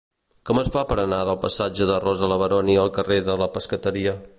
Com es fa per anar del passatge de Rosa Leveroni al carrer de la Pescateria?